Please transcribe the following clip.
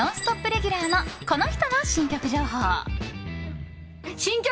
レギュラーのこの人の新曲情報！